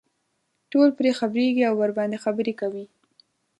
ټول پرې خبرېږي او ورباندې خبرې کوي.